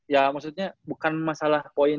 ya maksudnya bukan masalah poin